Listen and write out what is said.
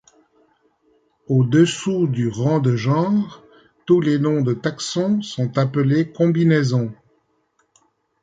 Au-dessous du rang de genre, tous les noms de taxons sont appelés combinaisons.